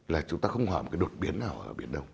là chúng ta không hỏi một cái đột biến nào ở biển đông